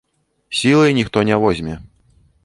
Сілай ніхто не возьме.